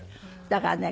だからね